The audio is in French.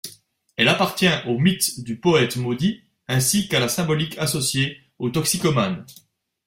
Elle appartient au mythe du poète maudit ainsi qu'à la symbolique associée au toxicomane.